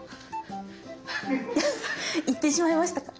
行ってしまいましたか？